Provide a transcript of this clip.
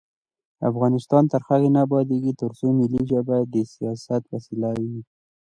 افغانستان تر هغو نه ابادیږي، ترڅو ملي ژبې د سیاست وسیله وي.